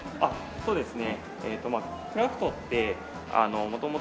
そうですね。